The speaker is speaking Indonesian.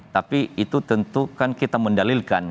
tapi itu tentu kan kita mendalilkan